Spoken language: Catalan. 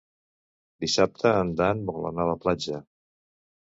Dissabte en Dan vol anar a la platja.